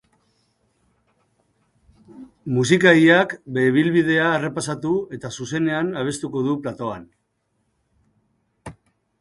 Musikariak bere ibilbidea errepasatu eta zuzenean abestuko du platoan.